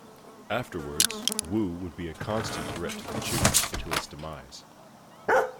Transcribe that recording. Afterwards, Wu would be a constant threat to the Chu until its demise.